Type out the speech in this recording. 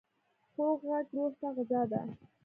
خوږ غږ روح ته غذا ده.